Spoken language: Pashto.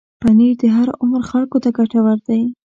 پنېر د هر عمر خلکو ته ګټور دی.